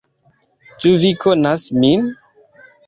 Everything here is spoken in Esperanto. "Ĉu vi konas min?"